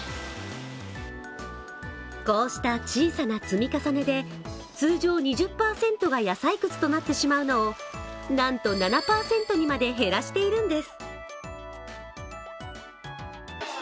こうした小さな積み重ねで、通常２０％が野菜くずとなってしまうのをなんと７％にまで減らしているんです。